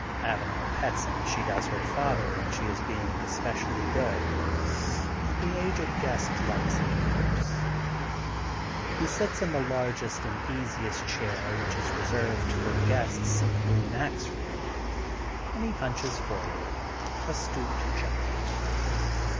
Avanel pets him as she does her father when she is being especially good, and the aged guest likes it, of course. He sits in the largest and easiest chair which is reserved for guests in The Boone Ax room, and he hunches forward, a stooped giant.